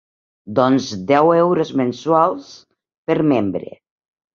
Doncs deu euros mensuals per membre.